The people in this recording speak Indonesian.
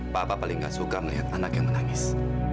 papa paling tidak suka melihat anak yang menangis